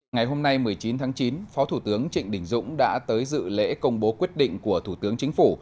ngày hôm nay một mươi chín tháng chín phó thủ tướng trịnh đình dũng đã tới dự lễ công bố quyết định của thủ tướng chính phủ